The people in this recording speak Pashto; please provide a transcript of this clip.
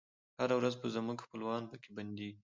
هره ورځ به زموږ خپلوان پکښي بندیږی